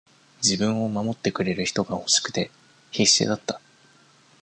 自分を守ってくれる人が欲しくて、必死だった。